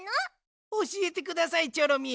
おしえてくださいチョロミー。